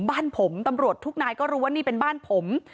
บ้านผมตำรวจทุกนายก็รู้ว่านี่เป็นบ้านผม